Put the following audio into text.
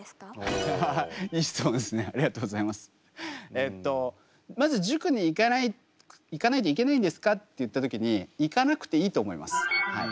えっとまず塾に行かないといけないんですかって言った時に行かなくていいと思いますはい。